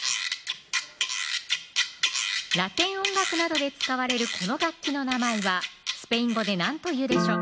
ラテン音楽などで使われるこの楽器の名前はスペイン語で何というでしょう